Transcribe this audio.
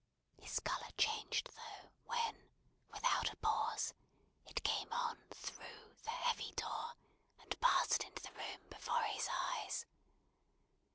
His colour changed though, when, without a pause, it came on through the heavy door, and passed into the room before his eyes.